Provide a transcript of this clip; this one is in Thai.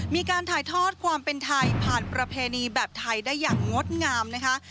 มีการถ่ายทอดความเป็นไทยผ่านประเพณีแบบไทยได้อย่างงดงามนะคะ